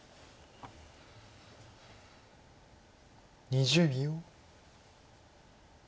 ２０秒。